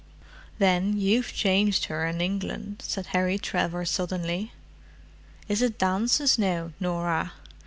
"Then you've changed her in England," said Harry Trevor suddenly. "Is it dances now, Norah?